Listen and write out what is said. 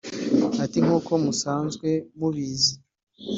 Ati “ Nk’uko musanzwe mubizi